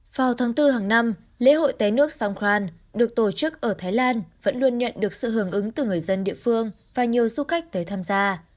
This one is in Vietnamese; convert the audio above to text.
vào tháng bốn hàng năm lễ hội té nước song khan được tổ chức ở thái lan vẫn luôn nhận được sự hưởng ứng từ người dân địa phương và nhiều du khách tới tham gia